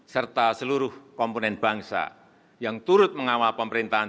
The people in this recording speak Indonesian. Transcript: serta seluruh komponen bangsa yang turut mengawal pemerintahan